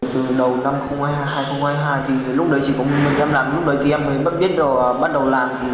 từ đầu năm hai nghìn hai mươi hai thì lúc đấy chỉ có mình em làm lúc đấy thì em mới biết rồi bắt đầu làm